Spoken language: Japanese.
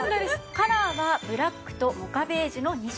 カラーはブラックとモカベージュの２色。